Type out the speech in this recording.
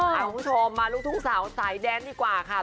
คุณผู้ชมมาลูกทุ่งสาวสายแดนดีกว่าค่ะ